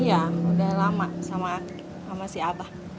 iya udah lama sama si abah